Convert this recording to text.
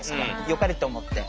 よかれと思って。